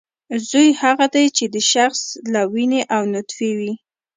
زوی هغه دی چې د شخص له وینې او نطفې وي